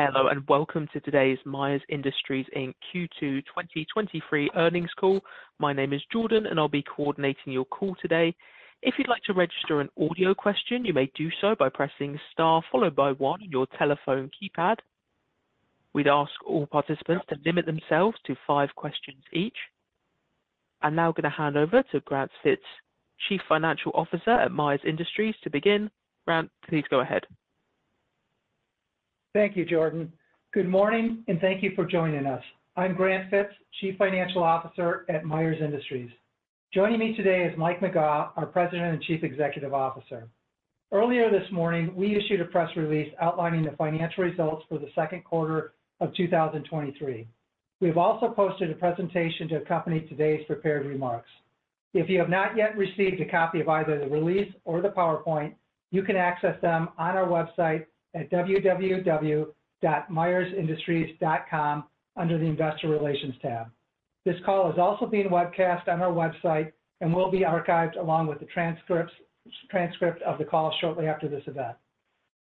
Hello, and welcome to today's Myers Industries, Inc Q2 2023 earnings call. My name is Jordan, and I'll be coordinating your call today. If you'd like to register an audio question, you may do so by pressing star followed by one on your telephone keypad. We'd ask all participants to limit themselves to five questions each. I'm now going to hand over to Grant Fitz, Chief Financial Officer at Myers Industries, to begin. Grant, please go ahead. Thank you, Jordan. Good morning, and thank you for joining us. I'm Grant Fitz, Chief Financial Officer at Myers Industries. Joining me today is Mike McGaugh, our President and Chief Executive Officer. Earlier this morning, we issued a press release outlining the financial results for the second quarter of 2023. We've also posted a presentation to accompany today's prepared remarks. If you have not yet received a copy of either the release or the PowerPoint, you can access them on our website at www.myersindustries.com, under the Investor Relations tab. This call is also being webcast on our website and will be archived along with the transcript of the call shortly after this event.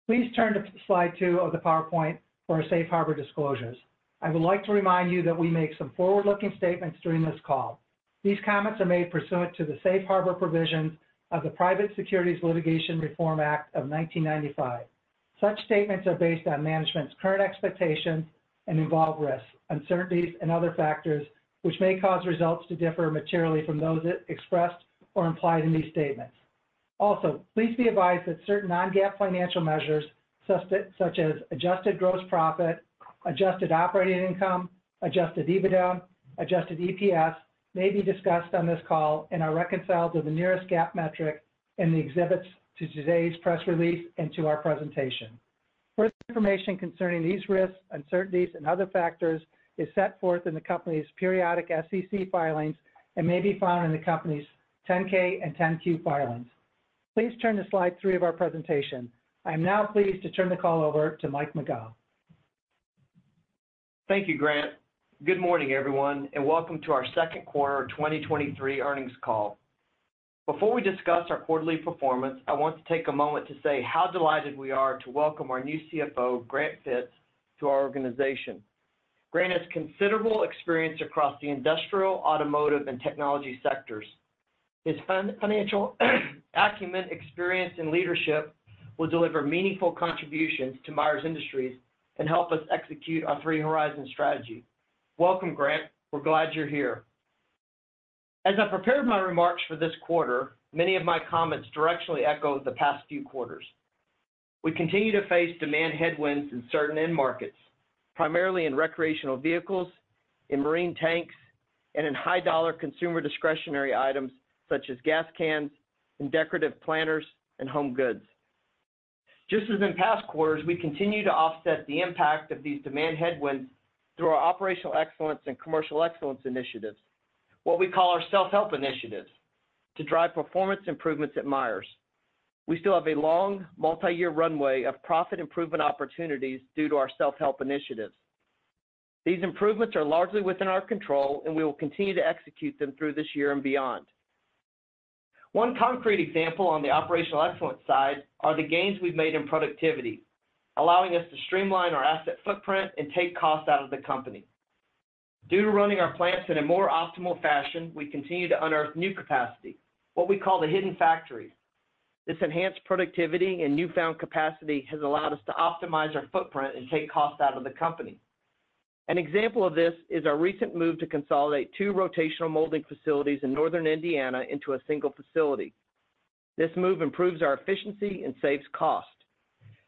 Please turn to slide 2 of the PowerPoint for our Safe Harbor disclosures. I would like to remind you that we make some forward-looking statements during this call. These comments are made pursuant to the Safe Harbor provisions of the Private Securities Litigation Reform Act of 1995. Such statements are based on management's current expectations and involve risks, uncertainties, and other factors, which may cause results to differ materially from those expressed or implied in these statements. Also, please be advised that certain non-GAAP financial measures, such as adjusted gross profit, adjusted operating income, adjusted EBITDA, adjusted EPS, may be discussed on this call and are reconciled to the nearest GAAP metric in the exhibits to today's press release and to our presentation. Further information concerning these risks, uncertainties, and other factors is set forth in the company's periodic SEC filings and may be found in the company's 10-K and 10-Q filings. Please turn to Slide 3 of our presentation. I am now pleased to turn the call over to Mike McGaugh. Thank you, Grant. Good morning, everyone, and welcome to our second quarter of 2023 earnings call. Before we discuss our quarterly performance, I want to take a moment to say how delighted we are to welcome our new CFO, Grant Fitz, to our organization. Grant has considerable experience across the industrial, automotive, and technology sectors. His financial, acumen, experience, and leadership will deliver meaningful contributions to Myers Industries and help us execute our Three Horizon Strategy. Welcome, Grant. We're glad you're here. As I prepared my remarks for this quarter, many of my comments directionally echo the past few quarters. We continue to face demand headwinds in certain end markets, primarily in recreational vehicles, in marine tanks, and in high-dollar consumer discretionary items such as gas cans and decorative planters and home goods. Just as in past quarters, we continue to offset the impact of these demand headwinds through our operational excellence and commercial excellence initiatives, what we call our self-help initiatives, to drive performance improvements at Myers. We still have a long, multi-year runway of profit improvement opportunities due to our self-help initiatives. These improvements are largely within our control, and we will continue to execute them through this year and beyond. One concrete example on the operational excellence side are the gains we've made in productivity, allowing us to streamline our asset footprint and take costs out of the company. Due to running our plants in a more optimal fashion, we continue to unearth new capacity, what we call the hidden factories. This enhanced productivity and newfound capacity has allowed us to optimize our footprint and take costs out of the company. An example of this is our recent move to consolidate two rotational molding facilities in northern Indiana into a single facility. This move improves our efficiency and saves cost.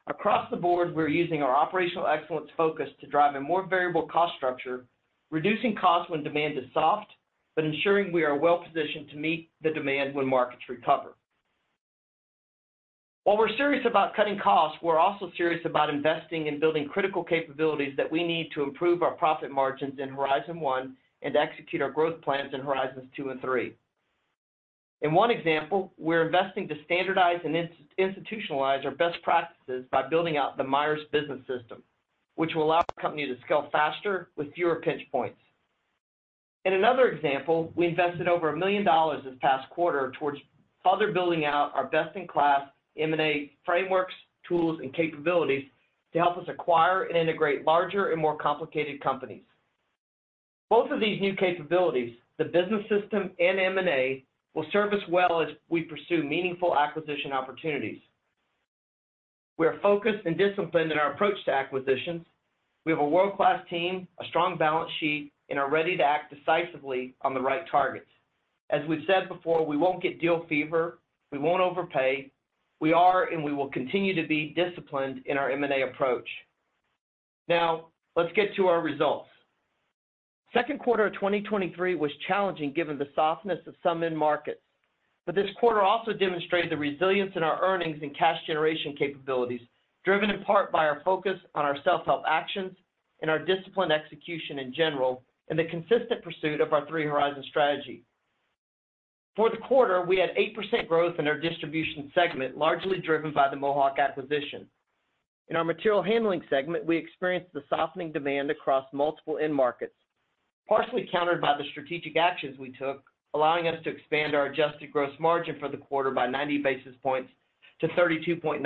Across the board, we're using our operational excellence focus to drive a more variable cost structure, reducing costs when demand is soft, but ensuring we are well-positioned to meet the demand when markets recover. While we're serious about cutting costs, we're also serious about investing in building critical capabilities that we need to improve our profit margins in Horizon 1 and execute our growth plans in Horizons 2 and 3. In 1 example, we're investing to standardize and institutionalize our best practices by building out the Myers business system, which will allow our company to scale faster with fewer pinch points. In another example, we invested over $1 million this past quarter towards further building out our best-in-class M&A frameworks, tools, and capabilities to help us acquire and integrate larger and more complicated companies. Both of these new capabilities, the business system and M&A, will serve us well as we pursue meaningful acquisition opportunities. We are focused and disciplined in our approach to acquisitions. We have a world-class team, a strong balance sheet, and are ready to act decisively on the right targets. As we've said before, we won't get deal fever, we won't overpay. We are, and we will continue to be disciplined in our M&A approach. Now, let's get to our results. Second quarter of 2023 was challenging given the softness of some end markets. This quarter also demonstrated the resilience in our earnings and cash generation capabilities, driven in part by our focus on our self-help actions and our disciplined execution in general, and the consistent pursuit of our Three Horizon Strategy. The quarter, we had 8% growth in our Distribution segment, largely driven by the Mohawk acquisition. Our Material Handling segment, we experienced the softening demand across multiple end markets, partially countered by the strategic actions we took, allowing us to expand our adjusted gross margin for the quarter by 90 basis points to 32.9%.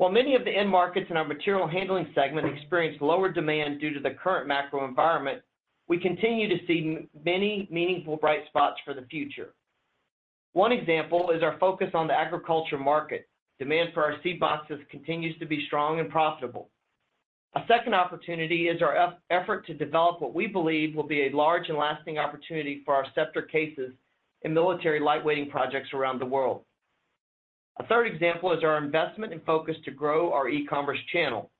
Many of the end markets in our Material Handling segment experienced lower demand due to the current macro environment, we continue to see many meaningful bright spots for the future. One example is our focus on the agriculture market. Demand for our seed boxes continues to be strong and profitable. A second opportunity is our effort to develop what we believe will be a large and lasting opportunity for our Scepter cases in military lightweighting projects around the world. A third example is our investment and focus to grow our e-commerce channel.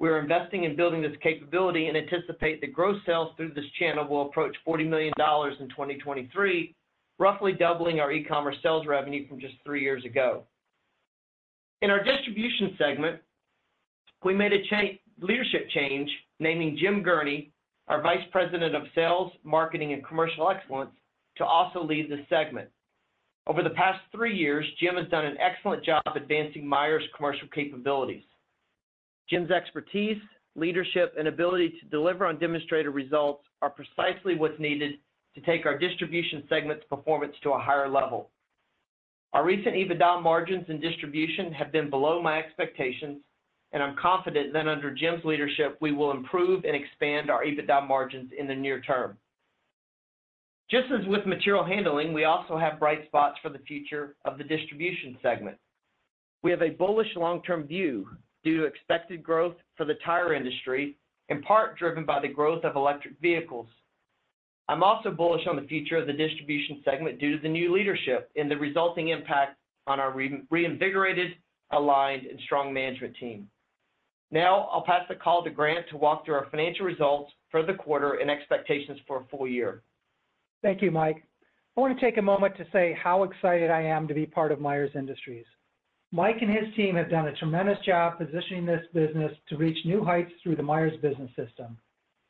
We are investing in building this capability and anticipate that growth sales through this channel will approach $40 million in 2023, roughly doubling our e-commerce sales revenue from just three years ago. In our Distribution segment, we made a leadership change, naming Jim Gurney, our Vice President, Sales, Marketing, and Commercial Excellence, to also lead this segment. Over the past three years, Jim has done an excellent job advancing Myers commercial capabilities. Jim's expertise, leadership, and ability to deliver on demonstrated results are precisely what's needed to take our Distribution segment's performance to a higher level. Our recent EBITDA margins and Distribution have been below my expectations. I'm confident that under Jim's leadership, we will improve and expand our EBITDA margins in the near term. Just as with Material Handling, we also have bright spots for the future of the Distribution segment. We have a bullish long-term view due to expected growth for the tire industry, in part driven by the growth of electric vehicles. I'm also bullish on the future of the Distribution segment due to the new leadership and the resulting impact on our reinvigorated, aligned, and strong management team. I'll pass the call to Grant to walk through our financial results for the quarter and expectations for a full year. Thank you, Mike. I want to take a moment to say how excited I am to be part of Myers Industries. Mike and his team have done a tremendous job positioning this business to reach new heights through the Myers Business System.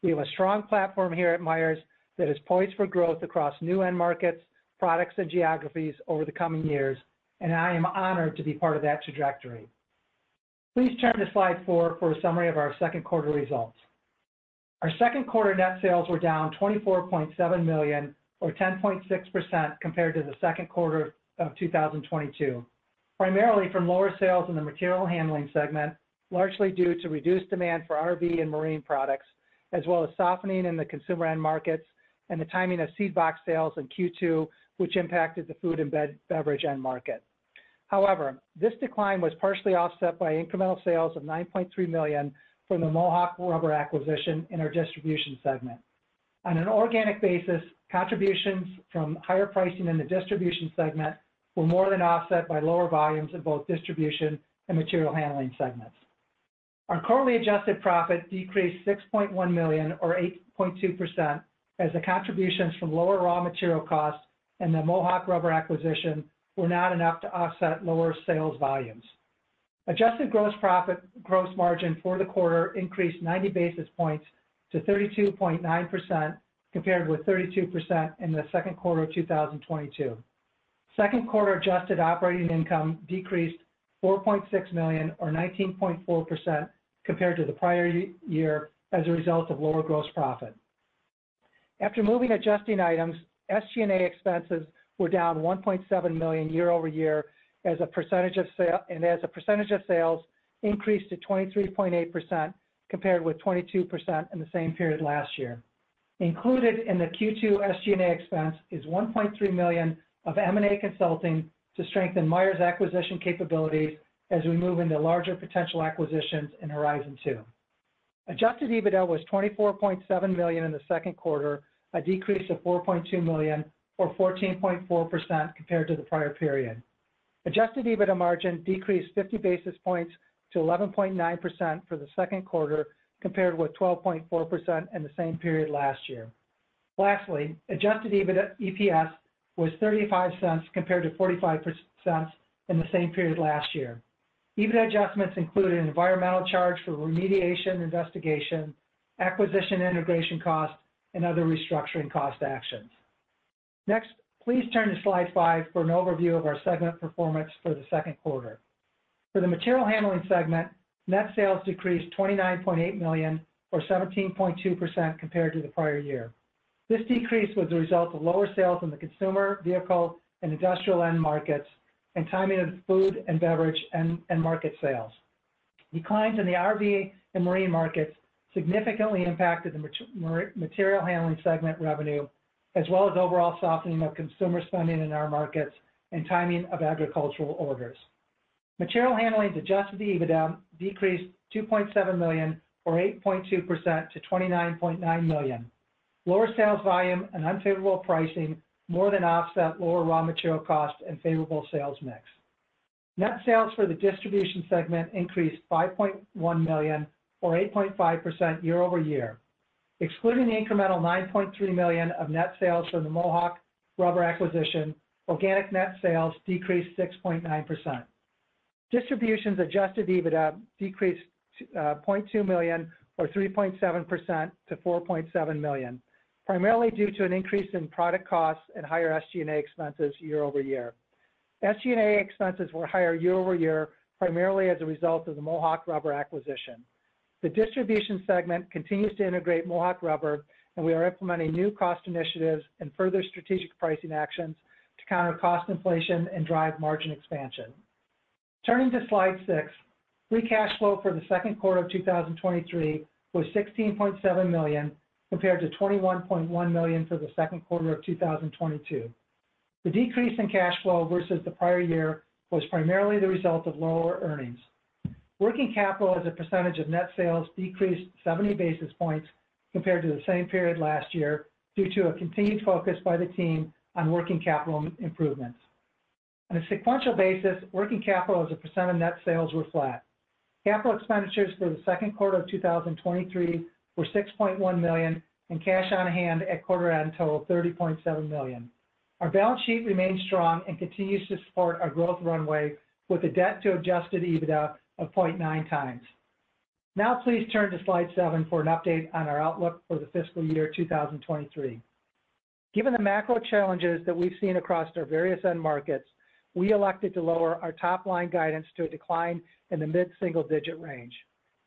We have a strong platform here at Myers that is poised for growth across new end markets, products, and geographies over the coming years, and I am honored to be part of that trajectory. Please turn to slide 4 for a summary of our second quarter results. Our second quarter net sales were down $24.7 million, or 10.6%, compared to the second quarter of 2022, primarily from lower sales in the Material Handling segment, largely due to reduced demand for RV and marine products, as well as softening in the consumer end markets and the timing of seed box sales in Q2, which impacted the Food & Beverage end market. However, this decline was partially offset by incremental sales of $9.3 million from the Mohawk Rubber acquisition in our Distribution segment. On an organic basis, contributions from higher pricing in the Distribution segment were more than offset by lower volumes in both Distribution and Material Handling segments. Our currently adjusted profit decreased $6.1 million, or 8.2%, as the contributions from lower raw material costs and the Mohawk Rubber acquisition were not enough to offset lower sales volumes. Adjusted gross profit, gross margin for the quarter increased 90 basis points to 32.9%, compared with 32% in the second quarter of 2022. Second quarter adjusted operating income decreased $4.6 million or 19.4% compared to the prior year as a result of lower gross profit. After moving adjusting items, SG&A expenses were down $1.7 million year-over-year as a percentage of sales and as a percentage of sales increased to 23.8%, compared with 22% in the same period last year. Included in the Q2 SG&A expense is $1.3 million of M&A consulting to strengthen Myers acquisition capabilities as we move into larger potential acquisitions in Horizon 2. Adjusted EBITDA was $24.7 million in the second quarter, a decrease of $4.2 million, or 14.4% compared to the prior period. Adjusted EBITDA margin decreased 50 basis points to 11.9% for the second quarter, compared with 12.4% in the same period last year. Lastly, adjusted EBITDA EPS was $0.35, compared to $0.45 in the same period last year. EBITDA adjustments included an environmental charge for remediation investigation, acquisition integration costs, and other restructuring cost actions. Next, please turn to slide 5 for an overview of our segment performance for the second quarter. For the Material Handling segment, net sales decreased $29.8 million or 17.2% compared to the prior year. This decrease was a result of lower sales in the consumer, vehicle, and industrial end markets and timing of Food & Beverage and market sales. Declines in the RV and marine markets significantly impacted the Material Handling segment revenue, as well as overall softening of consumer spending in our markets and timing of agricultural orders. Material Handling's adjusted EBITDA decreased $2.7 million or 8.2% to $29.9 million. Lower sales volume and unfavorable pricing more than offset lower raw material costs and favorable sales mix. Net sales for the Distribution segment increased $5.1 million or 8.5% year-over-year. Excluding the incremental $9.3 million of net sales from the Mohawk Rubber acquisition, organic net sales decreased 6.9%. Distribution's adjusted EBITDA decreased $0.2 million or 3.7% to $4.7 million, primarily due to an increase in product costs and higher SG&A expenses year-over-year. SG&A expenses were higher year-over-year, primarily as a result of the Mohawk Rubber acquisition. The Distribution segment continues to integrate Mohawk Rubber, and we are implementing new cost initiatives and further strategic pricing actions to counter cost inflation and drive margin expansion. Turning to slide 6, free cash flow for the second quarter of 2023 was $16.7 million, compared to $21.1 million for the second quarter of 2022. The decrease in cash flow versus the prior year was primarily the result of lower earnings. Working capital as a percentage of net sales decreased 70 basis points compared to the same period last year, due to a continued focus by the team on working capital improvements. On a sequential basis, working capital as a percentage of net sales were flat. Capital expenditures for the second quarter of 2023 were $6.1 million, and cash on hand at quarter end totaled $30.7 million. Our balance sheet remains strong and continues to support our growth runway with a debt to adjusted EBITDA of 0.9x. Please turn to slide 7 for an update on our outlook for the fiscal year 2023. Given the macro challenges that we've seen across our various end markets, we elected to lower our top-line guidance to a decline in the mid-single-digit range.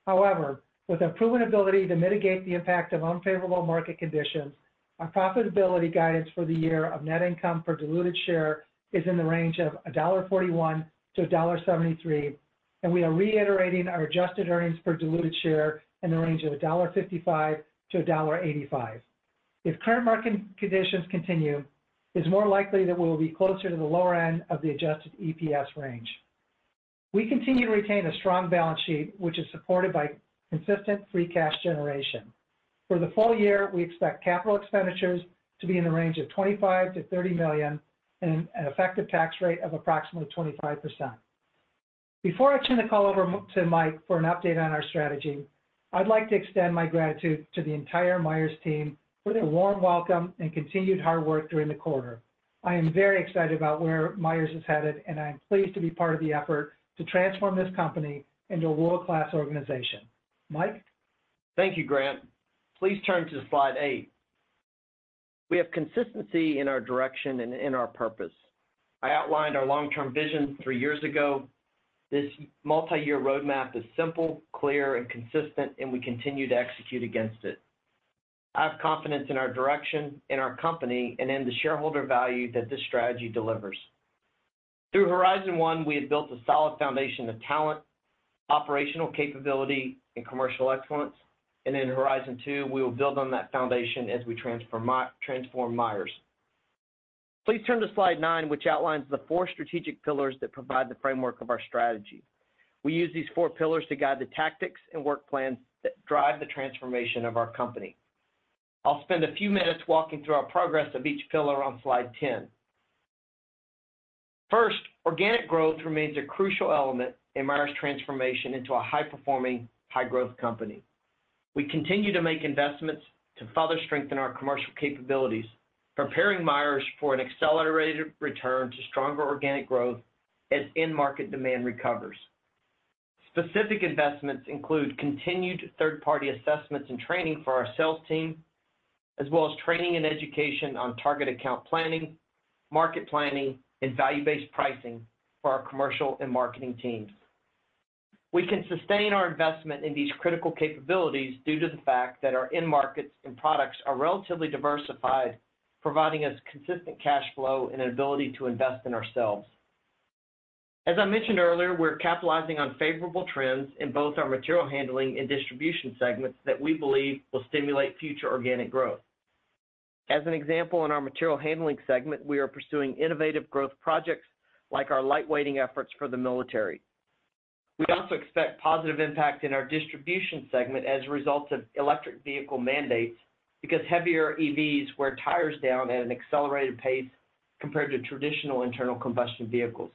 However, with a proven ability to mitigate the impact of unfavorable market conditions, our profitability guidance for the year of net income for diluted share is in the range of $1.41-$1.73, and we are reiterating our adjusted earnings per diluted share in the range of $1.55-$1.85. If current market conditions continue, it's more likely that we will be closer to the lower end of the adjusted EPS range. We continue to retain a strong balance sheet, which is supported by consistent free cash generation. For the full year, we expect capital expenditures to be in the range of $25 million-$30 million and an effective tax rate of approximately 25%. Before I turn the call over to Mike for an update on our strategy, I'd like to extend my gratitude to the entire Myers team for their warm welcome and continued hard work during the quarter. I am very excited about where Myers is headed, and I am pleased to be part of the effort to transform this company into a world-class organization. Mike? Thank you, Grant. Please turn to slide 8. We have consistency in our direction and in our purpose. I outlined our long-term vision three years ago. This multiyear roadmap is simple, clear, and consistent, and we continue to execute against it. I have confidence in our direction, in our company, and in the shareholder value that this strategy delivers. Through Horizon 1, we have built a solid foundation of talent, operational capability, and commercial excellence, and in Horizon 2, we will build on that foundation as we transform Myers. Please turn to slide 9, which outlines the four strategic pillars that provide the framework of our strategy. We use these four pillars to guide the tactics and work plans that drive the transformation of our company. I'll spend a few minutes walking through our progress of each pillar on slide 10. First, organic growth remains a crucial element in Myers' transformation into a high-performing, high-growth company. We continue to make investments to further strengthen our commercial capabilities, preparing Myers for an accelerated return to stronger organic growth as end market demand recovers. Specific investments include: continued third-party assessments and training for our sales team, as well as training and education on target account planning, market planning, and value-based pricing for our commercial and marketing teams. We can sustain our investment in these critical capabilities due to the fact that our end markets and products are relatively diversified, providing us consistent cash flow and an ability to invest in ourselves. As I mentioned earlier, we're capitalizing on favorable trends in both our Material Handling and Distribution segments that we believe will stimulate future organic growth. As an example, in our Material Handling segment, we are pursuing innovative growth projects like our lightweighting efforts for the military. We also expect positive impact in our Distribution segment as a result of electric vehicle mandates, because heavier EVs wear tires down at an accelerated pace compared to traditional internal combustion vehicles.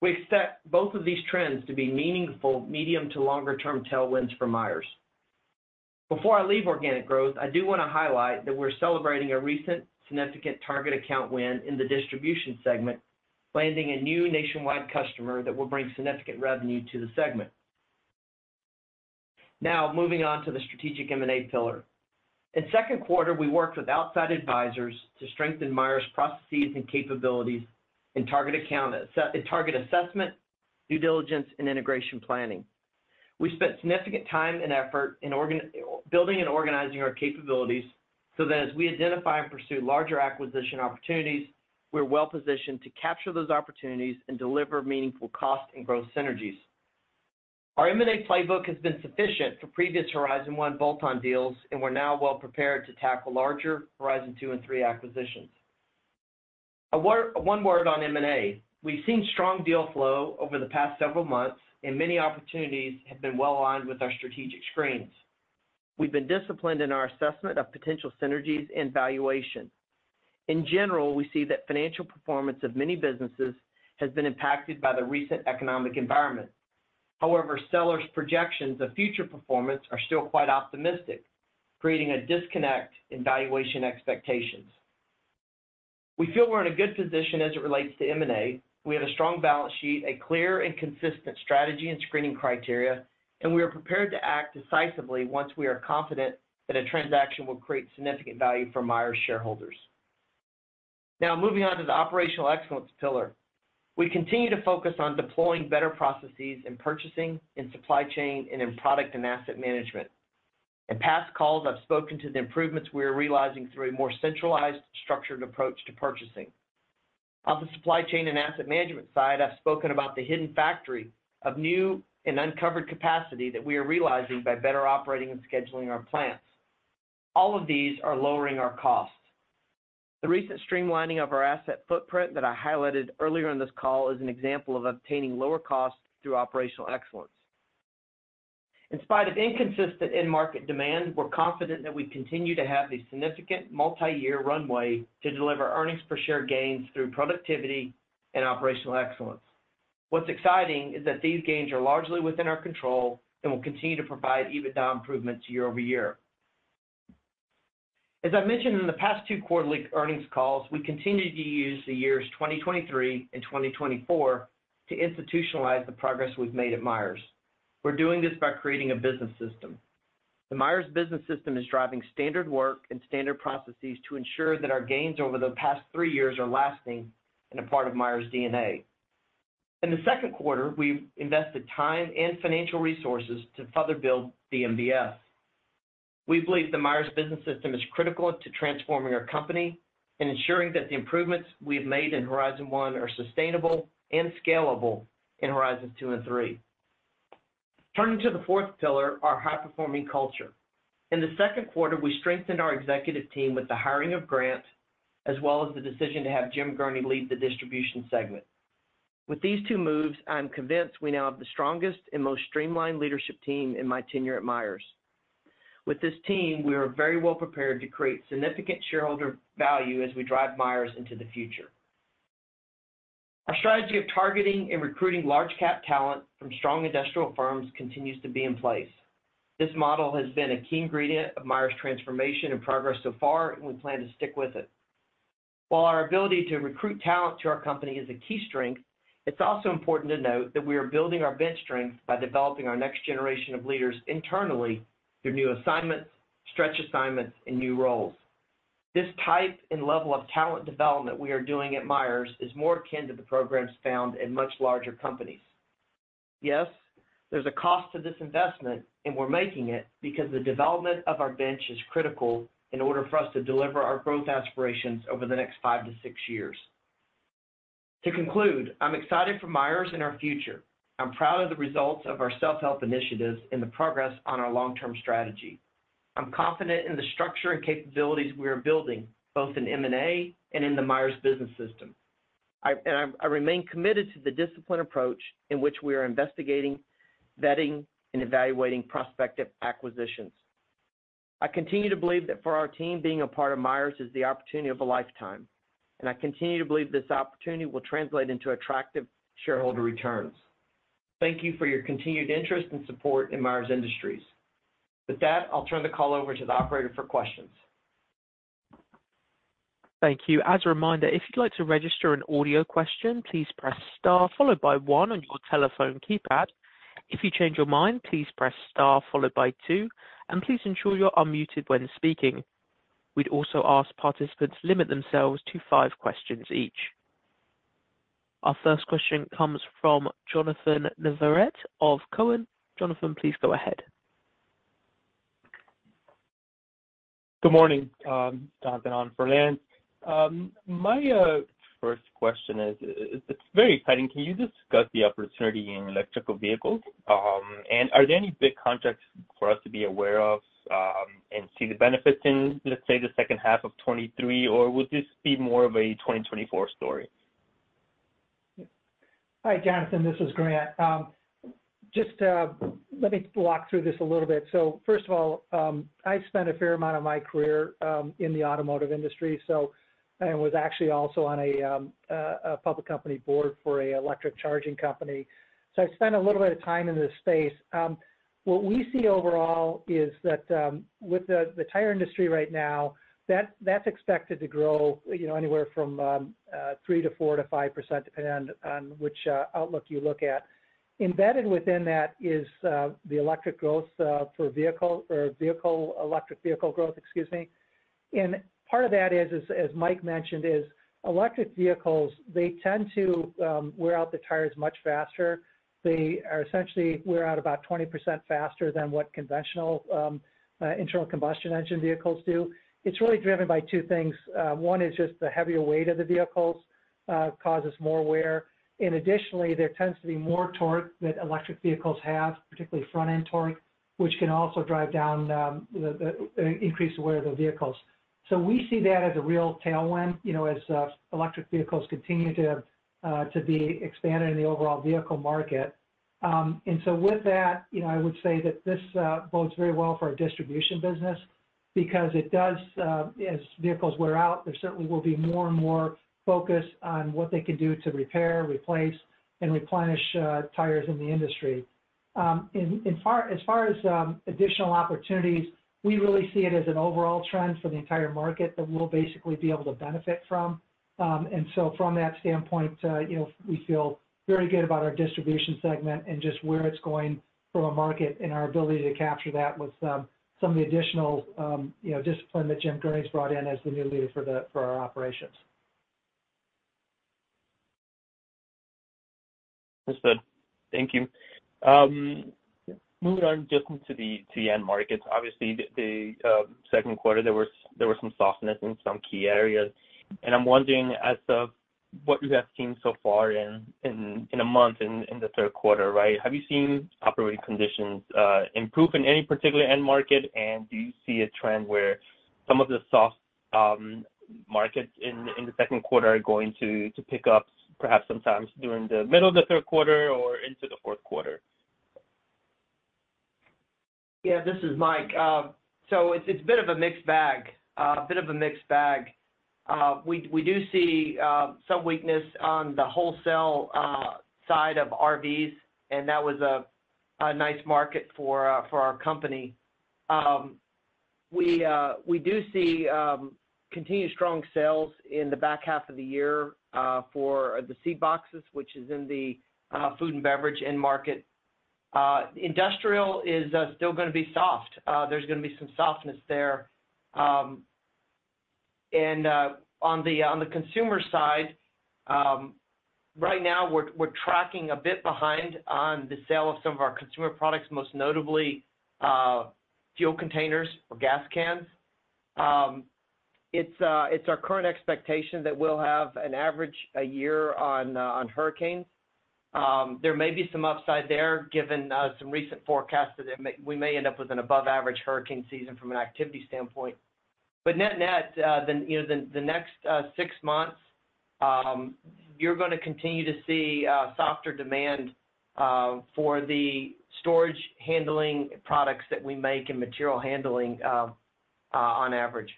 We expect both of these trends to be meaningful, medium to longer-term tailwinds for Myers. Before I leave organic growth, I do want to highlight that we're celebrating a recent significant target account win in the Distribution segment, landing a new nationwide customer that will bring significant revenue to the segment. Moving on to the strategic M&A pillar. In second quarter, we worked with outside advisors to strengthen Myers' processes and capabilities in target assessment, due diligence, and integration planning. We spent significant time and effort in building and organizing our capabilities, so that as we identify and pursue larger acquisition opportunities, we're well positioned to capture those opportunities and deliver meaningful cost and growth synergies. Our M&A playbook has been sufficient for previous Horizon 1 bolt-on deals, and we're now well prepared to tackle larger Horizons 2 and 3 acquisitions. One word on M&A: We've seen strong deal flow over the past several months, and many opportunities have been well aligned with our strategic screens. We've been disciplined in our assessment of potential synergies and valuation. In general, we see that financial performance of many businesses has been impacted by the recent economic environment. Sellers' projections of future performance are still quite optimistic, creating a disconnect in valuation expectations. We feel we're in a good position as it relates to M&A. We have a strong balance sheet, a clear and consistent strategy and screening criteria, and we are prepared to act decisively once we are confident that a transaction will create significant value for Myers' shareholders. Now moving on to the operational excellence pillar. We continue to focus on deploying better processes in purchasing, in supply chain, and in product and asset management. In past calls, I've spoken to the improvements we are realizing through a more centralized, structured approach to purchasing. On the supply chain and asset management side, I've spoken about the hidden factory of new and uncovered capacity that we are realizing by better operating and scheduling our plants. All of these are lowering our costs. The recent streamlining of our asset footprint that I highlighted earlier in this call, is an example of obtaining lower costs through operational excellence. In spite of inconsistent end market demand, we're confident that we continue to have a significant multi-year runway to deliver earnings per share gains through productivity and operational excellence. What's exciting is that these gains are largely within our control and will continue to provide EBITDA improvements year-over-year. As I mentioned in the past two quarterly earnings calls, we continue to use the years 2023 and 2024 to institutionalize the progress we've made at Myers. We're doing this by creating a business system. The Myers Business System is driving standard work and standard processes to ensure that our gains over the past three years are lasting in a part of Myers' DNA. In the second quarter, we've invested time and financial resources to further build the MBS. We believe the Myers Business System is critical to transforming our company and ensuring that the improvements we've made in Horizon One are sustainable and scalable in Horizons 2 and 3. Turning to the fourth pillar, our high-performing culture. In the second quarter, we strengthened our executive team with the hiring of Grant, as well as the decision to have Jim Gurney lead the Distribution segment. With these two moves, I'm convinced we now have the strongest and most streamlined leadership team in my tenure at Myers. With this team, we are very well prepared to create significant shareholder value as we drive Myers into the future. Our strategy of targeting and recruiting large cap talent from strong industrial firms continues to be in place. This model has been a key ingredient of Myers' transformation and progress so far, and we plan to stick with it. While our ability to recruit talent to our company is a key strength, it's also important to note that we are building our bench strength by developing our next generation of leaders internally through new assignments, stretch assignments, and new roles. This type and level of talent development we are doing at Myers is more akin to the programs found in much larger companies. Yes, there's a cost to this investment, and we're making it because the development of our bench is critical in order for us to deliver our growth aspirations over the next five to six years. To conclude, I'm excited for Myers and our future. I'm proud of the results of our self-help initiatives and the progress on our long-term strategy. I'm confident in the structure and capabilities we are building, both in M&A and in the Myers Business System. I remain committed to the disciplined approach in which we are investigating, vetting, and evaluating prospective acquisitions. I continue to believe that for our team, being a part of Myers is the opportunity of a lifetime. I continue to believe this opportunity will translate into attractive shareholder returns. Thank you for your continued interest and support in Myers Industries. With that, I'll turn the call over to the operator for questions. Thank you. As a reminder, if you'd like to register an audio question, please press star followed by one on your telephone keypad. If you change your mind, please press star followed by two. Please ensure you are unmuted when speaking. We'd also ask participants limit themselves to five questions each. Our first question comes from Jonnathan Navarrete of Cowen. Jonnathan, please go ahead. Good morning, Jonnathan on for Lance. My first question is, it's very exciting. Can you discuss the opportunity in electric vehicles? Are there any big contracts for us to be aware of, and see the benefits in, let's say, the second half of 2023, or would this be more of a 2024 story? Hi, Jonnathan, this is Grant. Just let me walk through this a little bit. First of all, I spent a fair amount of my career in the automotive industry, so and was actually also on a public company board for a electric charging company. I spent a little bit of time in this space. What we see overall is that with the tire industry right now, that's expected to grow, you know, anywhere from 3%-4%-5%, depending on which outlook you look at. Embedded within that is the electric growth for vehicle or vehicle, electric vehicle growth, excuse me. Part of that is, as Mike mentioned, is electric vehicles, they tend to wear out the tires much faster. They are essentially wear out about 20% faster than what conventional internal combustion engine vehicles do. It's really driven by two things. One is just the heavier weight of the vehicles causes more wear, and additionally, there tends to be more torque that electric vehicles have, particularly front-end torque, which can also drive down increase the wear of the vehicles. So we see that as a real tailwind, you know, as electric vehicles continue to be expanded in the overall vehicle market. And so with that, you know, I would say that this bodes very well for our Distribution segment because it does, as vehicles wear out, there certainly will be more and more focus on what they can do to repair, replace, and replenish tires in the tire industry. As far, as far as additional opportunities, we really see it as an overall trend for the entire market that we'll basically be able to benefit from. From that standpoint, you know, we feel very good about our Distribution segment and just where it's going from a market and our ability to capture that with some of the additional, you know, discipline that Jim Gurney's brought in as the new leader for our operations.... Understood. Thank you. Moving on just into the, the end markets. Obviously, the, the second quarter, there was, there was some softness in some key areas. I'm wondering, as of what you have seen so far in, in, in a month in, in the third quarter, right? Have you seen operating conditions improve in any particular end market? Do you see a trend where some of the soft markets in, in the second quarter are going to, to pick up perhaps sometimes during the middle of the third quarter or into the fourth quarter? This is Mike. It's, it's a bit of a mixed bag, a bit of a mixed bag. We, we do see some weakness on the wholesale side of RVs, and that was a nice market for our company. We, we do see continued strong sales in the back half of the year for the seed boxes, which is in the food and beverage end market. Industrial is still gonna be soft. There's gonna be some softness there. On the, on the consumer side, right now we're, we're tracking a bit behind on the sale of some of our consumer products, most notably, fuel containers or gas cans. It's, it's our current expectation that we'll have an average a year on hurricanes. There may be some upside there, given some recent forecasts that we may end up with an above average hurricane season from an activity standpoint. Net-net, you know, the next six months, you're gonna continue to see softer demand for the storage handling products that we make and material handling on average.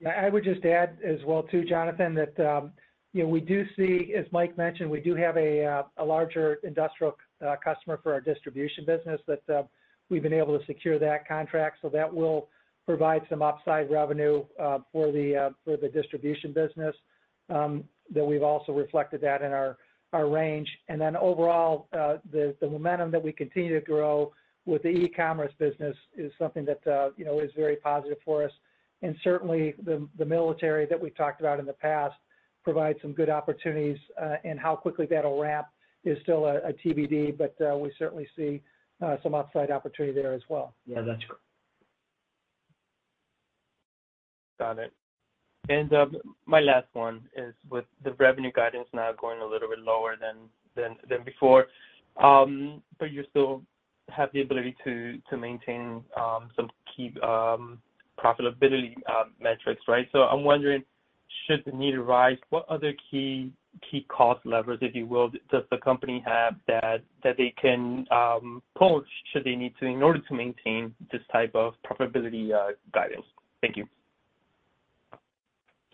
Yeah, I would just add as well too, Jonnathan, that, you know, we do see, as Mike mentioned, we do have a larger industrial customer for our distribution business that we've been able to secure that contract. That will provide some upside revenue for the distribution business that we've also reflected that in our range. Overall, the momentum that we continue to grow with the e-commerce business is something that, you know, is very positive for us. Certainly, the military that we've talked about in the past provides some good opportunities, and how quickly that'll ramp is still a TBD, but we certainly see some upside opportunity there as well. Yeah, that's correct. Got it. My last one is with the revenue guidance now going a little bit lower than, than, than before. You still have the ability to, to maintain some key profitability metrics, right? I'm wondering, should the need arise, what other key, key cost levers, if you will, does the company have that, that they can pull should they need to, in order to maintain this type of profitability guidance? Thank you.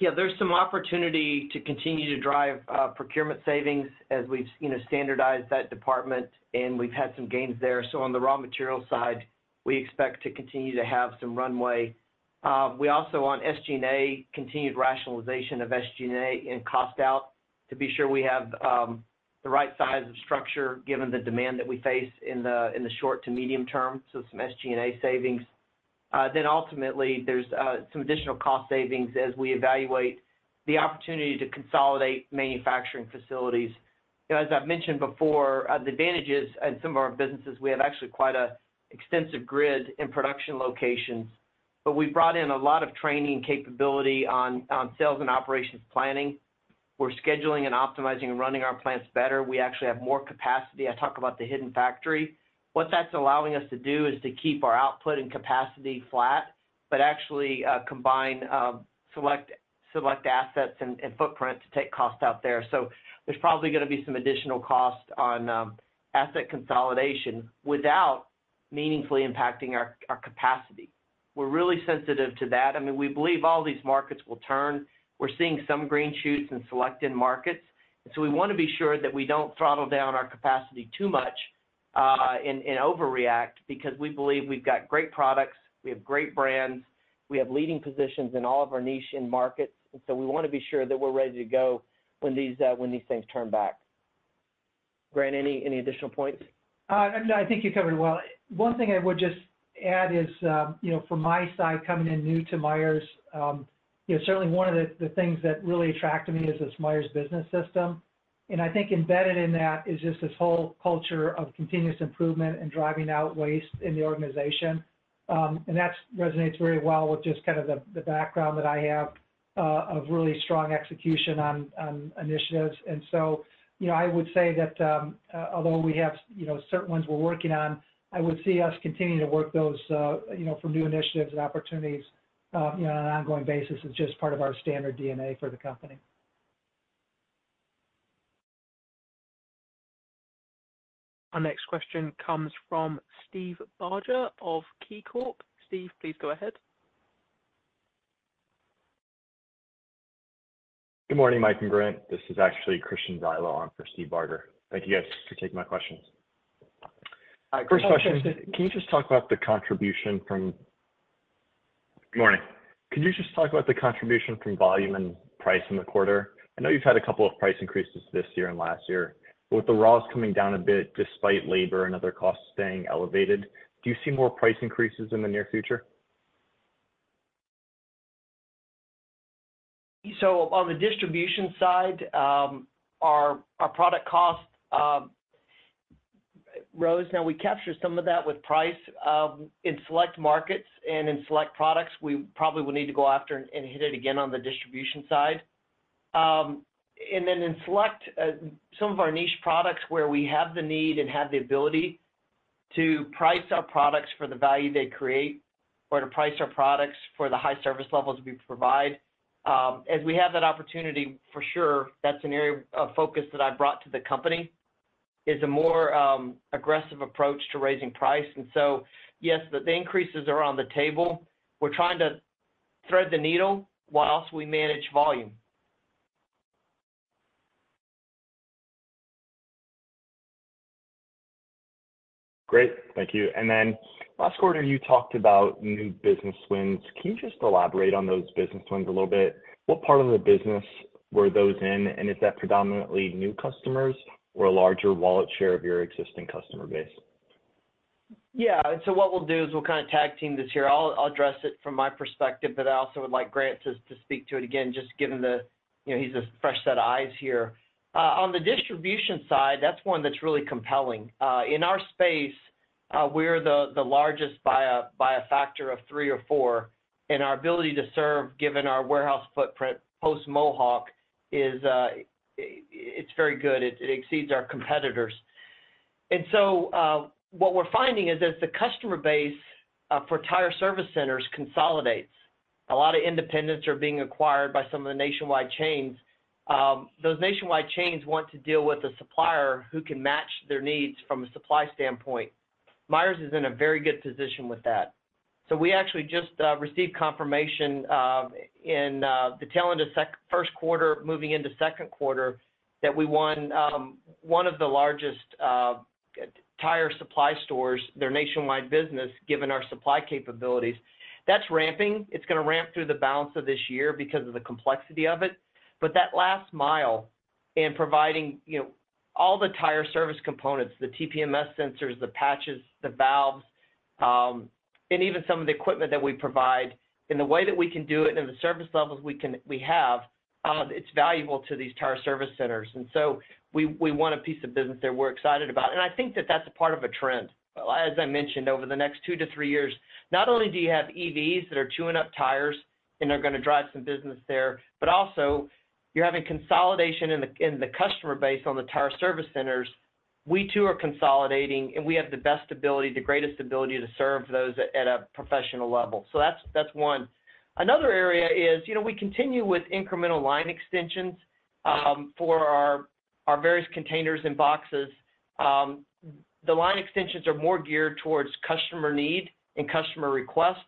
Yeah, there's some opportunity to continue to drive procurement savings as we've, you know, standardized that department, and we've had some gains there. On the raw material side, we expect to continue to have some runway. We also, on SG&A, continued rationalization of SG&A and cost out to be sure we have the right size of structure, given the demand that we face in the short to medium term, so some SG&A savings. Ultimately, there's some additional cost savings as we evaluate the opportunity to consolidate manufacturing facilities. You know, as I've mentioned before, the advantages in some of our businesses, we have actually quite a extensive grid in production locations. We've brought in a lot of training capability on sales and operations planning. We're scheduling and optimizing and running our plants better. We actually have more capacity. I talk about the hidden factory. What that's allowing us to do is to keep our output and capacity flat, but actually, combine, select, select assets and, and footprint to take cost out there. There's probably gonna be some additional cost on asset consolidation without meaningfully impacting our, our capacity. We're really sensitive to that. I mean, we believe all these markets will turn. We're seeing some green shoots in selected markets, we wanna be sure that we don't throttle down our capacity too much, and overreact because we believe we've got great products, we have great brands, we have leading positions in all of our niche and markets. We wanna be sure that we're ready to go when these, when these things turn back. Grant, any, any additional points? No, I think you covered it well. One thing I would just add is, you know, from my side, coming in new to Myers, you know, certainly one of the, the things that really attracted me is this Myers Business System. I think embedded in that is just this whole culture of continuous improvement and driving out waste in the organization. That resonates very well with just kind of the, the background that I have, of really strong execution on, on initiatives. So, you know, I would say that, although we have, you know, certain ones we're working on, I would see us continuing to work those, you know, for new initiatives and opportunities, you know, on an ongoing basis. It's just part of our standard DNA for the company. Our next question comes from Steve Barger of KeyCorp. Steve, please go ahead. Good morning, Mike and Grant. This is actually Christian Zeiler on for Steve Barger. Thank you guys for taking my questions. First question, Good morning. Could you just talk about the contribution from volume and price in the quarter? I know you've had a couple of price increases this year and last year, but with the raws coming down a bit, despite labor and other costs staying elevated, do you see more price increases in the near future? On the distribution side, our product cost rose. Now we capture some of that with price. In select markets and in select products, we probably will need to go after and hit it again on the distribution side. Then in select, some of our niche products where we have the need and have the ability to price our products for the value they create, or to price our products for the high service levels we provide, as we have that opportunity, for sure, that's an area of focus that I've brought to the company, is a more aggressive approach to raising price. So, yes, the increases are on the table. We're trying to thread the needle whilst we manage volume. Great, thank you. Then last quarter, you talked about new business wins. Can you just elaborate on those business wins a little bit? What part of the business were those in, is that predominantly new customers or a larger wallet share of your existing customer base? Yeah. So what we'll do is we'll kind of tag team this here. I'll address it from my perspective, but I also would like Grant to speak to it again, just given the, you know, he's a fresh set of eyes here. On the Distribution side, that's one that's really compelling. In our space, we're the largest by a factor of three or four, and our ability to serve, given our warehouse footprint, post Mohawk, is very good. It exceeds our competitors. So what we're finding is, as the customer base for tire service centers consolidates, a lot of independents are being acquired by some of the nationwide chains. Those nationwide chains want to deal with a supplier who can match their needs from a supply standpoint. Myers is in a very good position with that. We actually just received confirmation in the tail end of first quarter, moving into second quarter, that we won one of the largest tire supply stores, their nationwide business, given our supply capabilities. That's ramping. It's gonna ramp through the balance of this year because of the complexity of it. That last mile in providing, you know, all the tire service components, the TPMS sensors, the patches, the valves, and even some of the equipment that we provide, and the way that we can do it, and the service levels we have, it's valuable to these tire service centers. We, we want a piece of business that we're excited about. I think that that's a part of a trend. Well, as I mentioned, over the next two-three years, not only do you have EVs that are chewing up tires and are going to drive some business there, but also you're having consolidation in the customer base on the tire service centers. We too are consolidating, we have the best ability, the greatest ability to serve those at a professional level. That's one. Another area is, you know, we continue with incremental line extensions for our various containers and boxes. The line extensions are more geared towards customer need and customer request.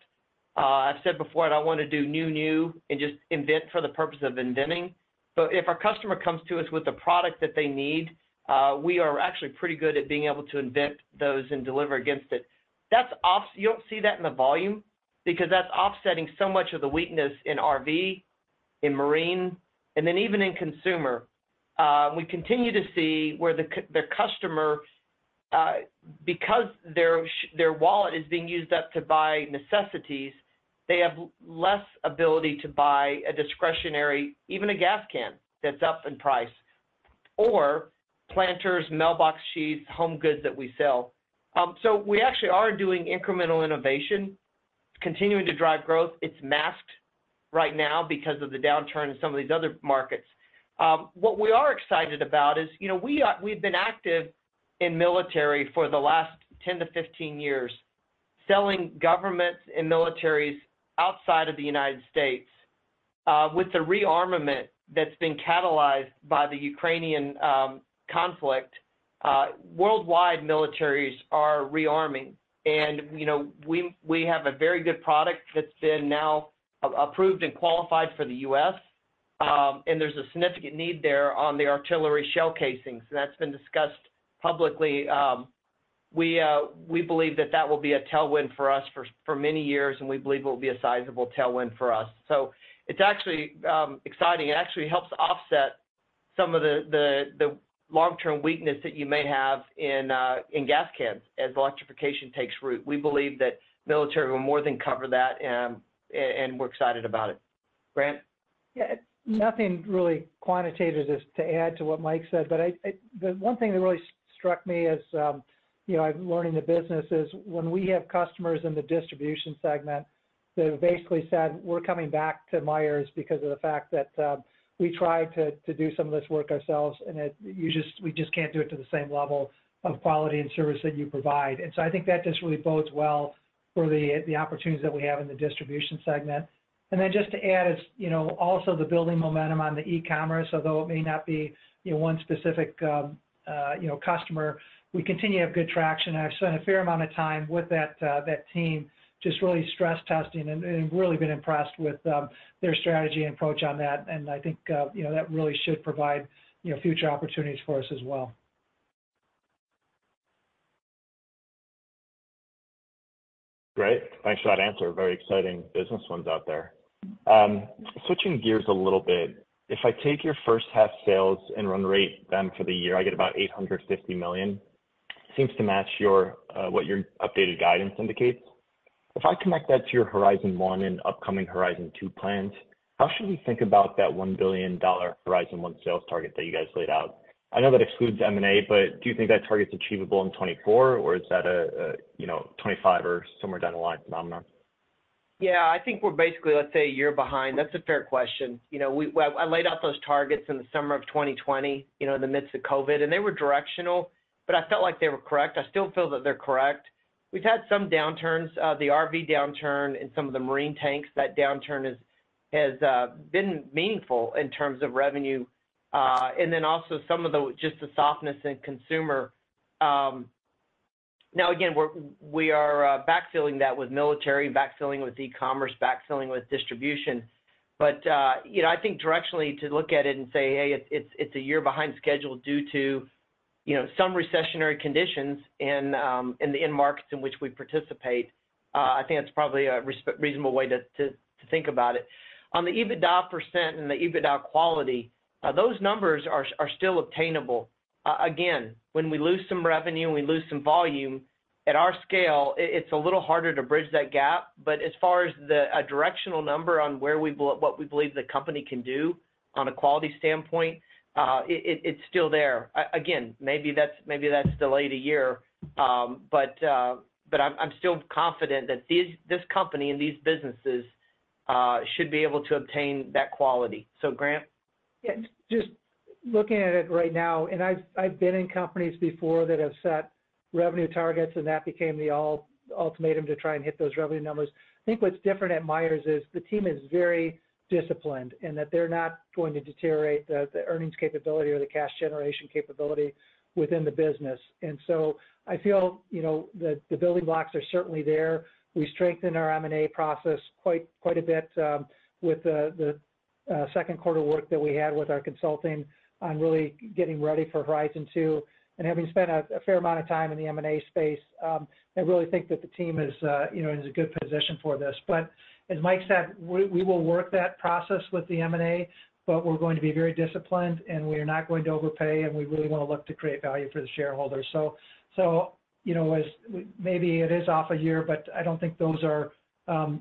I've said before, I don't want to do new, new, and just invent for the purpose of inventing. If a customer comes to us with a product that they need, we are actually pretty good at being able to invent those and deliver against it. That's you don't see that in the volume because that's offsetting so much of the weakness in RV, in marine, and then even in consumer. We continue to see where the customer, because their wallet is being used up to buy necessities, they have less ability to buy a discretionary, even a gas can, that's up in price, or planters, mailbox sheets, home goods that we sell. We actually are doing incremental innovation, continuing to drive growth. It's masked right now because of the downturn in some of these other markets. What we are excited about is, you know, we've been active in military for the last 10-15 years, selling governments and militaries outside of the United States. With the rearmament that's been catalyzed by the Ukrainian conflict, worldwide militaries are rearming. You know, we, we have a very good product that's been now approved and qualified for the U.S., and there's a significant need there on the artillery shell casings, and that's been discussed publicly. We, we believe that that will be a tailwind for us for, for many years, and we believe it will be a sizable tailwind for us. It's actually exciting. It actually helps offset some of the, the, the long-term weakness that you may have in gas cans as electrification takes root. We believe that military will more than cover that, and we're excited about it. Grant? Yeah, nothing really quantitative just to add to what Mike said, but I, I the one thing that really struck me as, you know, I'm learning the business is, when we have customers in the Distribution segment that have basically said, "We're coming back to Myers because of the fact that, we tried to, to do some of this work ourselves, and we just can't do it to the same level of quality and service that you provide." I think that just really bodes well for the opportunities that we have in the Distribution segment. Just to add is, you know, also the building momentum on the e-commerce. Although it may not be, you know, one specific, you know, customer, we continue to have good traction. I've spent a fair amount of time with that, that team, just really stress testing and, and really been impressed with, their strategy and approach on that. I think, you know, that really should provide, you know, future opportunities for us as well. Great. Thanks for that answer. Very exciting business ones out there. Switching gears a little bit, if I take your first half sales and run rate them for the year, I get about $850 million. Seems to match what your updated guidance indicates. If I connect that to your Horizon 1 and upcoming Horizon 2 plans, how should we think about that $1 billion Horizon 1 sales target that you guys laid out? I know that excludes M&A, but do you think that target's achievable in 2024, or is that, you know, 2025 or somewhere down the line phenomenon? Yeah, I think we're basically, let's say, a year behind. That's a fair question. You know, we- well, I laid out those targets in the summer of 2020, you know, in the midst of COVID, and they were directional, but I felt like they were correct. I still feel that they're correct. We've had some downturns, the RV downturn and some of the marine tanks, that downturn has, has been meaningful in terms of revenue. And then also some of the- just the softness in consumer. Now, again, we're- we are backfilling that with military, backfilling with e-commerce, backfilling with distribution. You know, I think directionally to look at it and say, "Hey, it's, it's a year behind schedule due to, you know, some recessionary conditions in the end markets in which we participate," I think that's probably a reasonable way to think about it. On the EBITDA percent and the EBITDA quality, those numbers are still obtainable. Again, when we lose some revenue and we lose some volume, at our scale, it's a little harder to bridge that gap. As far as a directional number on where we what we believe the company can do on a quality standpoint, it's still there. Again, maybe that's, maybe that's delayed a year, but I'm still confident that this company and these businesses should be able to obtain that quality. Grant? Yeah, just looking at it right now, and I've, I've been in companies before that have set revenue targets, and that became the all- ultimatum to try and hit those revenue numbers. I think what's different at Myers is, the team is very disciplined, and that they're not going to deteriorate the, the earnings capability or the cash generation capability within the business. So I feel, you know, that the building blocks are certainly there. We strengthened our M&A process quite, quite a bit, with the, the, second quarter work that we had with our consulting on really getting ready for Horizon 2. Having spent a, a fair amount of time in the M&A space, I really think that the team is, you know, in a good position for this. As Mike said, we, we will work that process with the M&A, but we're going to be very disciplined, and we are not going to overpay, and we really want to look to create value for the shareholders. You know, Maybe it is off a year, but I don't think those are,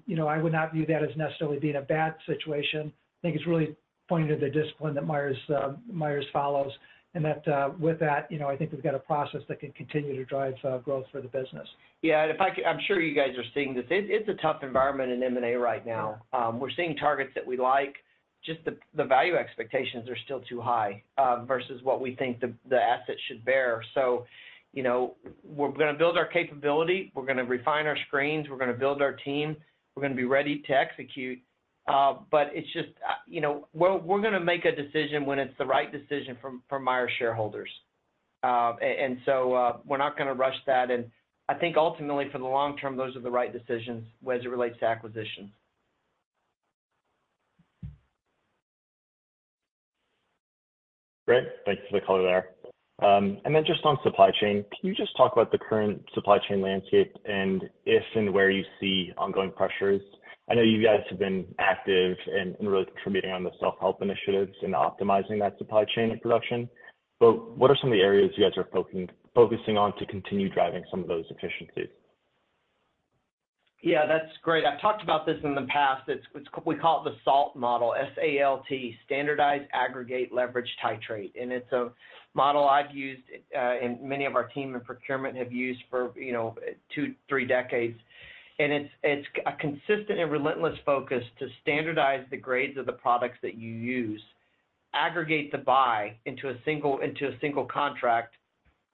you know, I would not view that as necessarily being a bad situation. I think it's really pointing to the discipline that Myers, Myers follows, and that, with that, you know, I think we've got a process that can continue to drive, growth for the business. Yeah, if I'm sure you guys are seeing this. It's a tough environment in M&A right now. Yeah. We're seeing targets that we like, just the, the value expectations are still too high versus what we think the, the asset should bear. You know, we're gonna build our capability, we're gonna refine our screens, we're gonna build our team, we're gonna be ready to execute. It's just, you know, we're, we're gonna make a decision when it's the right decision from, from Myers shareholders. We're not gonna rush that, and I think ultimately for the long term, those are the right decisions as it relates to acquisitions. Great. Thanks for the color there. Then just on supply chain, can you just talk about the current supply chain landscape and if and where you see ongoing pressures? I know you guys have been active and really contributing on the self-help initiatives and optimizing that supply chain and production, but what are some of the areas you guys are focusing on to continue driving some of those efficiencies? Yeah, that's great. I've talked about this in the past. It's, we call it the SALT model, S-A-L-T, Standardize Aggregate Leverage Titrate. It's a model I've used, and many of our team in procurement have used for, you know, two, three decades. It's, it's a consistent and relentless focus to standardize the grades of the products that you use, aggregate the buy into a single, into a single contract,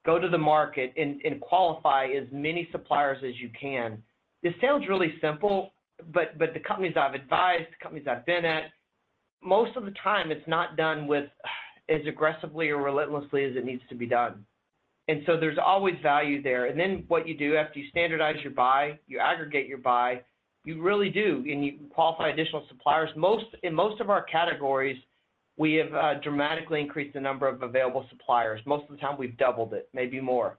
go to the market and qualify as many suppliers as you can. This sounds really simple, but the companies I've advised, the companies I've been at, most of the time it's not done as aggressively or relentlessly as it needs to be done. There's always value there. What you do after you standardize your buy, you aggregate your buy, you really do, and you qualify additional suppliers. In most of our categories, we have dramatically increased the number of available suppliers. Most of the time we've doubled it, maybe more.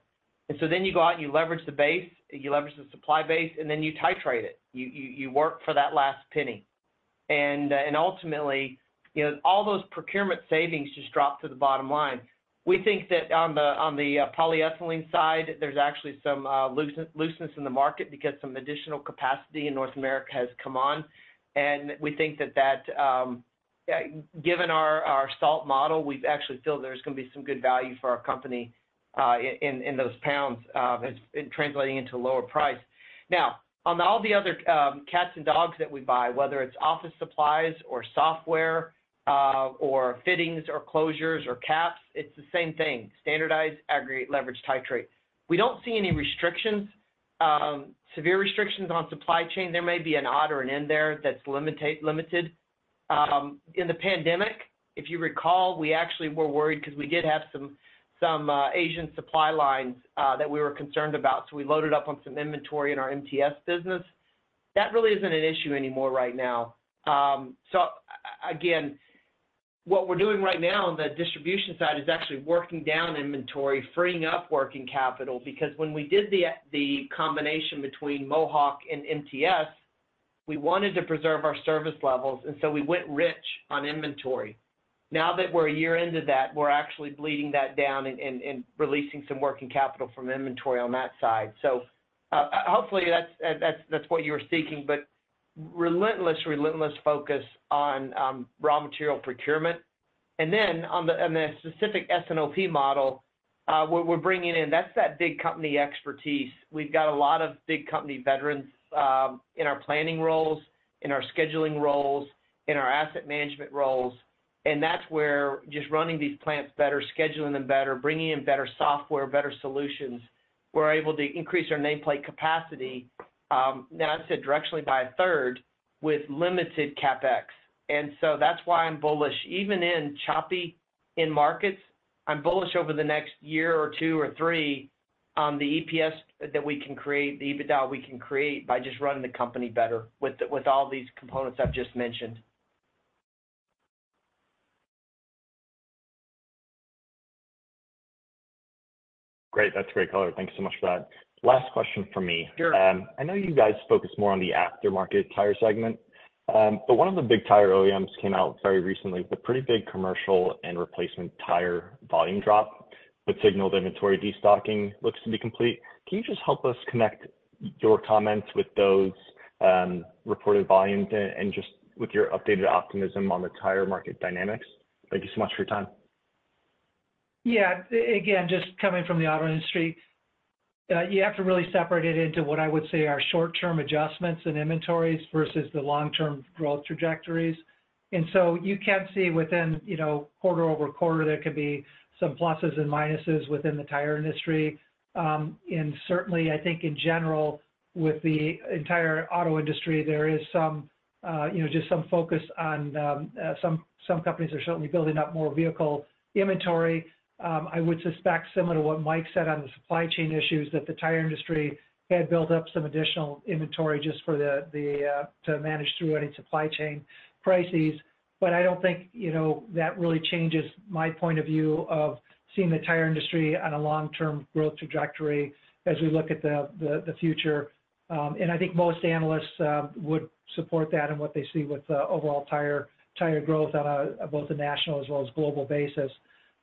So then you go out and you leverage the base, you leverage the supply base, and then you titrate it. You, you, you work for that last penny. Ultimately, you know, all those procurement savings just drop to the bottom line. We think that on the, on the polyethylene side, there's actually some looseness in the market because some additional capacity in North America has come on. We think that, that, given our SALT model, we actually feel there's gonna be some good value for our company in, in, in those pounds as in translating into lower price. On all the other, cats and dogs that we buy, whether it's office supplies, or software, or fittings, or closures, or caps, it's the same thing: standardize, aggregate, leverage, titrate. We don't see any restrictions, severe restrictions on supply chain. There may be an odd or an end there that's limited. In the pandemic, if you recall, we actually were worried because we did have some, some, Asian supply lines, that we were concerned about, so we loaded up on some inventory in our Myers business. That really isn't an issue anymore right now. So again, what we're doing right now on the distribution side is actually working down inventory, freeing up working capital. Because when we did the combination between Mohawk and Myers, we wanted to preserve our service levels, and so we went rich on inventory. Now that we're one year into that, we're actually bleeding that down and releasing some working capital from inventory on that side. Hopefully, that's, that's, that's what you were seeking. Relentless, relentless focus on raw material procurement. On the specific S&OP model, we're bringing in, that's that big company expertise. We've got a lot of big company veterans, in our planning roles, in our scheduling roles, in our asset management roles, and that's where just running these plants better, scheduling them better, bringing in better software, better solutions, we're able to increase our nameplate capacity, now I'd say directionally by a third, with limited CapEx. That's why I'm bullish. Even in choppy in markets, I'm bullish over the next year or two or three on the EPS that we can create, the EBITDA we can create by just running the company better with all these components I've just mentioned. Great. That's great color. Thank you so much for that. Last question from me. Sure. I know you guys focus more on the aftermarket tire segment, but one of the big tire OEMs came out very recently with a pretty big commercial and replacement tire volume drop, which signaled the inventory destocking looks to be complete. Can you just help us connect your comments with those reported volumes and just with your updated optimism on the tire market dynamics? Thank you so much for your time. Yeah. Again, just coming from the auto industry, you have to really separate it into what I would say are short-term adjustments in inventories versus the long-term growth trajectories. You can see within, you know, quarter over quarter, there could be some pluses and minuses within the tire industry. Certainly, I think in general, with the entire auto industry, there is some, you know, just some focus on some companies are certainly building up more vehicle inventory. I would suspect, similar to what Mike said on the supply chain issues, that the tire industry had built up some additional inventory just for the to manage through any supply chain crises. I don't think, you know, that really changes my point of view of seeing the tire industry on a long-term growth trajectory as we look at the future. And I think most analysts would support that and what they see with the overall tire growth on both a national as well as global basis.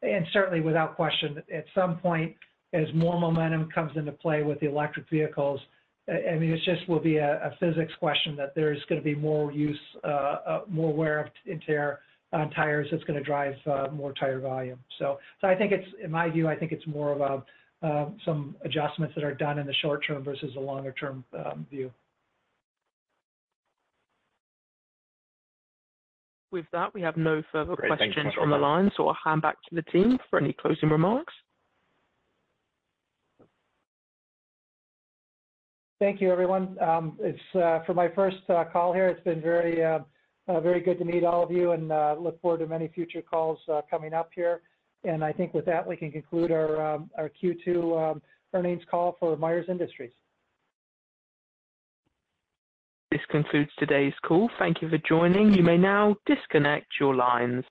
And certainly, without question, at some point, as more momentum comes into play with the electric vehicles, I mean, it just will be a physics question that there's gonna be more use, more wear and tear on tires that's gonna drive more tire volume. So, I think it's, in my view, I think it's more of some adjustments that are done in the short term versus a longer-term view. With that, we have no further questions on the line, so I'll hand back to the team for any closing remarks. Thank you, everyone. It's for my first call here, it's been very, very good to meet all of you, and look forward to many future calls coming up here. I think with that, we can conclude our Q2 earnings call for Myers Industries. This concludes today's call. Thank you for joining. You may now disconnect your lines.